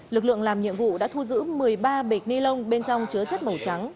lực lượng làm nhiệm vụ đã thu giữ một mươi ba bịch ni lông bên trong chứa chất màu trắng